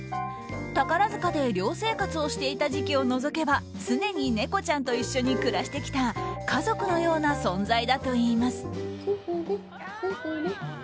宝塚で寮生活をしていた時期を除けば常に猫ちゃんと一緒に暮らしてきた家族のような存在だといいます。